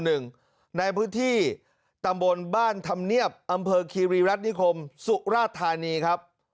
ในพื้นที่ตำบลบ้านธรรมเนียบอำเภอคีรีรัฐนิคมสุราธานีครับ